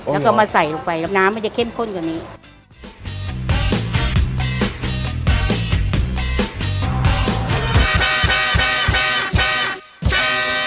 แล้วก็มาใส่ลงไปแล้วน้ำมันจะเข้มข้นกว่านี้